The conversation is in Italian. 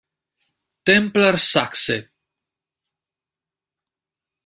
Templar Saxe